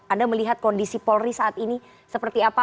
anda melihat kondisi polri saat ini seperti apa